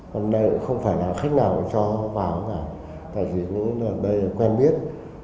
còn đây không phải là khách nào cho vào cả tại vì đây là quen biết